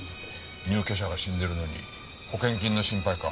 入居者が死んでるのに保険金の心配か。